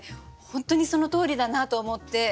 本当にそのとおりだなと思って。